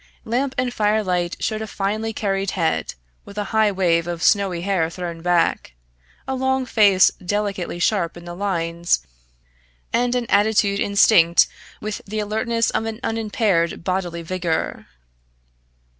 Lamp and fire light showed a finely carried head, with a high wave of snowy hair thrown back, a long face delicately sharp in the lines, and an attitude instinct with the alertness of an unimpaired bodily vigour.